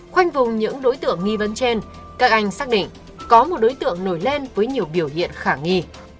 khoanh vùng những đối tượng nghi vấn trên các anh xác định có một đối tượng nổi lên với nhiều biểu hiện khả nghi